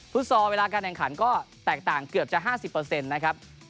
ฟุตซอลเวลาการแข่งขันก็แตกต่างเกือบจะ๕๐